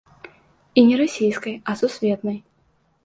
І не расійскай, а сусветнай.